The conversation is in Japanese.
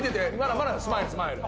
まだスマイルスマイル」